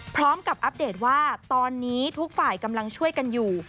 อัปเดตว่าตอนนี้ทุกฝ่ายกำลังช่วยกันอยู่